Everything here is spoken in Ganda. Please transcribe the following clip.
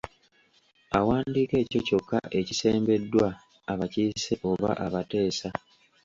Awandiika ekyo kyokka ekisembeddwa abakiise oba abateesa.